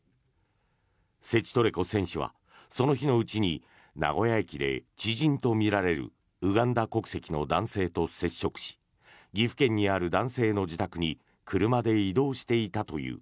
セチトレコ選手はその日のうちに名古屋駅で知人とみられるウガンダ国籍の男性と接触し岐阜県にある男性の自宅に車で移動していたという。